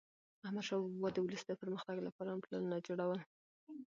احمدشاه بابا به د ولس د پرمختګ لپاره پلانونه جوړول.